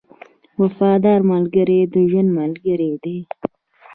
• وفادار ملګری د ژوند ملګری دی.